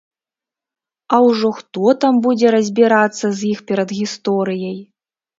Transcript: А ўжо хто там будзе разбірацца з іх перадгісторыяй?